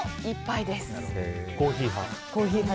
コーヒー派。